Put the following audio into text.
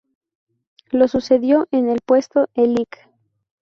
Lo sucedió en el puesto el lic.